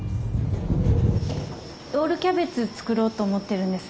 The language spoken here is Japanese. ロールキャベツ作ろうと思ってるんです。